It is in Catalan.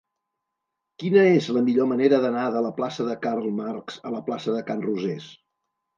Quina és la millor manera d'anar de la plaça de Karl Marx a la plaça de Can Rosés?